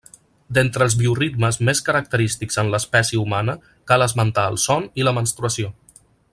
D’entre els bioritmes més característics en l’espècie humana cal esmentar el son i la menstruació.